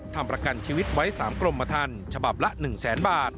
ทำประกันชีวิตไว้๓กรมทันฉบับละ๑แสนบาท